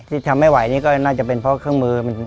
ทำไม่ไหวนี่ก็น่าจะเป็นเพราะเครื่องมือ